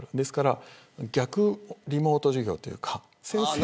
だから逆リモート授業というか。